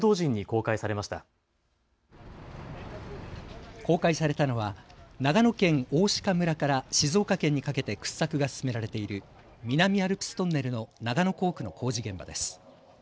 公開されたのは長野県大鹿村から静岡県にかけて掘削が進められている南アルプストンネルの長野工区の工事現場です。